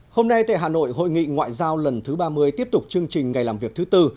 hôm nay tại hà nội hội nghị ngoại giao lần thứ ba mươi tiếp tục chương trình ngày làm việc thứ tư